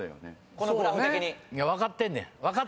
このグラフ的に。